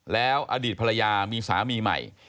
แล้วอดีตภรรยามีสามีใหม่